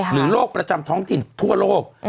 หรือโรคประจำท้องติดทั่วโลก